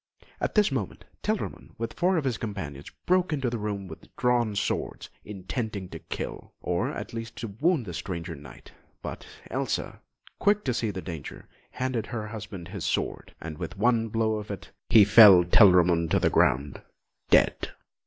At this moment, Telramund, with four of his companions, broke into the room with drawn swords, intending to kill, or, at least, to wound the stranger Knight; but Elsa, quick to see the danger, handed her husband his sword, and with one blow of it, he felled Telramund to the ground, dead.